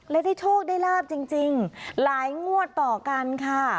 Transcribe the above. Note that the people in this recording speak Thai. และได้โชคได้ลาบจริงหลายงวดต่อกันค่ะ